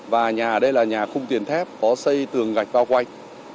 và nhà đây là nhà khung tiền thép có xây tường gạch bao quanh